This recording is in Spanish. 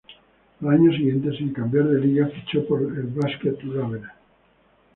Al año siguiente, sin cambiar de liga, fichó por el Basket Ravenna.